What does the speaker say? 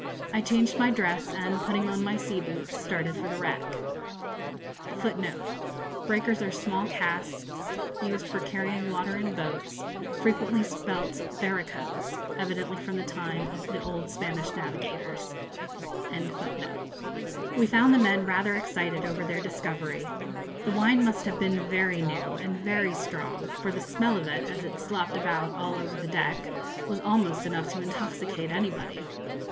I changed my dress, and, putting on my sea boots, started for the wreck. [Footnote 1: Small casks, used for carrying water in boats, frequently spelt barricos, evidently from the time of the old Spanish navigators.] [Illustration: The Derelict 'Carolina' laden with Port Wine] We found the men rather excited over their discovery. The wine must have been very new and very strong, for the smell from it, as it slopped about all over the deck, was almost enough to intoxicate anybody.